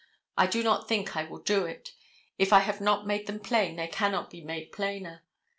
I do not think I will do it. If I have not made them plain they cannot be made plainer.